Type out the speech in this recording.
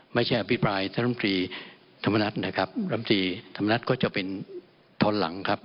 ไม่ใช่อภิปรายท่านลำตรีธรรมนัฐนะครับรำตรีธรรมนัฐก็จะเป็นตอนหลังครับ